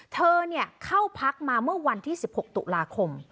เธอเข้าพักมาเมื่อวันที่๑๖ตุลาคม